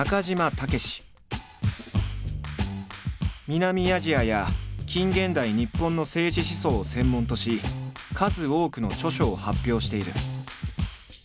南アジアや近現代日本の政治思想を専門とし数多くの著書を発表している。